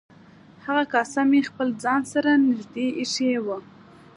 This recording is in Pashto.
هغه کاسه مې خپل ځان سره نږدې ایښې وه.